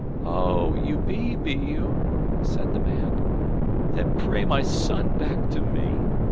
"Oh, you be, be you?" said the man. "Then pray my son back to me!